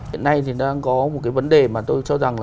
hiện nay thì đang có một cái vấn đề mà tôi cho rằng là